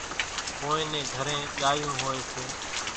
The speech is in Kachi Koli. ڪونئين نين گھرين ڳايوُن هوئيَ سي۔